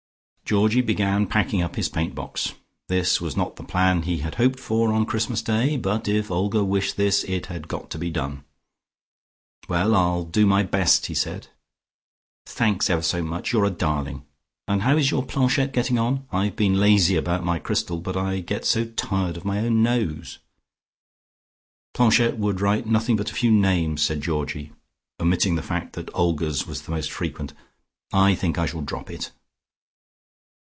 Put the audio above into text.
Georgie began packing up his paint box. This was not the plan he had hoped for on Christmas Day, but if Olga wished this, it had got to be done. "Well, I'll do my best," he said. "Thanks ever so much. You're a darling. And how is your planchette getting on? I've been lazy about my crystal, but I get so tired of my own nose." "Planchette would write nothing but a few names," said Georgie, omitting the fact that Olga's was the most frequent. "I think I shall drop it."